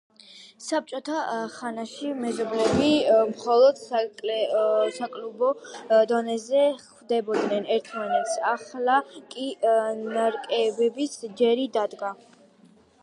საბჭოთა ხანაში მეზობლები მხოლოდ საკლუბო დონეზე ხვდებოდნენ ერთმანეთს, ახლა კი ნაკრებების ჯერი დადგა.